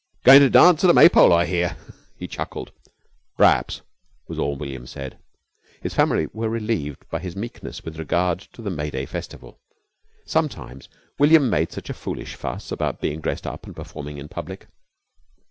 "Going to dance at a Maypole, I hear?" he chuckled. "P'raps," was all William said. His family were relieved by his meekness with regard to the May Day festival. Sometimes William made such a foolish fuss about being dressed up and performing in public.